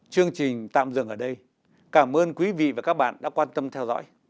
chương trình tạm dừng ở đây cảm ơn quý vị và các bạn đã quan tâm theo dõi